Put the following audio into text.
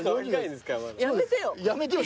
やめてよ。